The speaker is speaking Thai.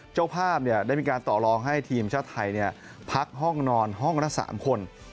เจ้าภาพได้มีการต่อลองให้ทีมชาติไทยพักห้องนอนห้องละ๓คน